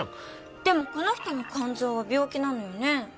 でもこの人の肝臓は病気なのよね？